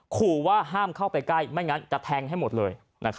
ขู่ว่าห้ามเข้าไปใกล้ไม่งั้นจะแทงให้หมดเลย